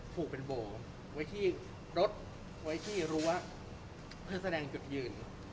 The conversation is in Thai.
ผูกเป็นโบไว้ที่รถไว้ที่รั้วเพื่อแสดงจุดยืน